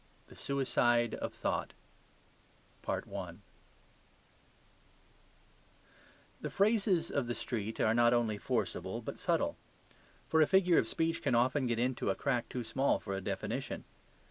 III THE SUICIDE OF THOUGHT The phrases of the street are not only forcible but subtle: for a figure of speech can often get into a crack too small for a definition.